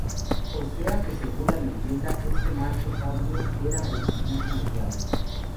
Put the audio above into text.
O sea, que según la leyenda, este macho cabrío era el mismísimo diablo.